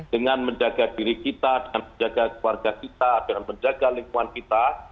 dengan menjaga diri kita dengan menjaga keluarga kita dengan menjaga lingkungan kita